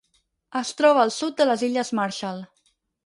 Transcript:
Es troba al sud de les Illes Marshall.